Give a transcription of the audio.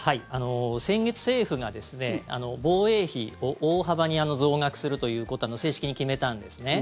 先月、政府がですね防衛費を大幅に増額するということを正式に決めたんですね。